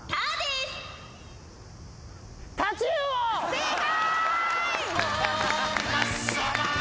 正解！